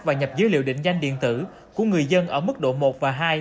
và nhập dữ liệu định danh điện tử của người dân ở mức độ một và hai